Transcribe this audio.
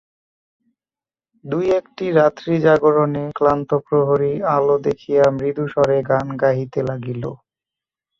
দুই একটি রাত্রি জাগরণে ক্লান্ত প্রহরী আলো দেখিয়া মৃদুস্বরে গান গাহিতে লাগিল।